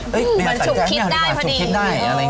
เฮ้หมายถามนี้ก็ดีกว่าชุดคิดได้